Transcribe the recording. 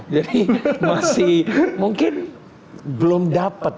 jadi masih mungkin belum dapat